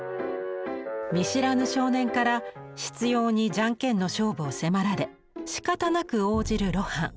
見知らぬ少年から執ように「ジャンケン」の勝負を迫られしかたなく応じる露伴。